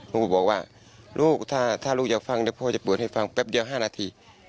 ลุงก็บอกว่าถ้าลุงจะฟังพ่อจะเปิดให้ฟังแป๊บเดียว๕นาที